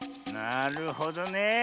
なるほどね。